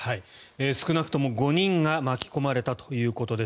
少なくとも５人が巻き込まれたということです。